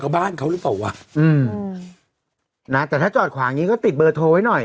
บ้านเขาหรือเปล่าวะอืมนะแต่ถ้าจอดขวางอย่างงี้ก็ติดเบอร์โทรไว้หน่อย